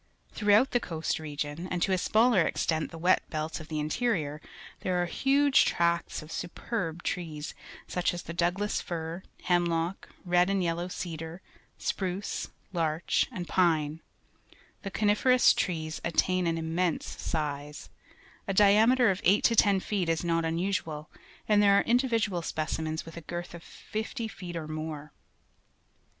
Throughout the coast region, and to a smaller extent the wet belts of the interior, there are huge tracts of superb trees, such as the Douglas fir, hemlock, red and yellow cedar, spruce, larch, and pine. The coni ferous trees attain an immense size. A Cutting Logs by Maclunery, British Columbia diameter of eight to ten feet is not unusual, and there are individual specimens with a girth of fifty feet or more.